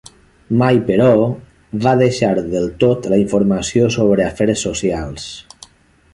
Mai, però, va deixar del tot la informació sobre afers socials.